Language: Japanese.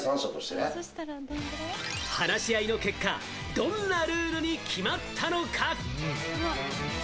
話し合いの結果、どんなルールに決まったのか？